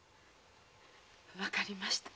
わかりました。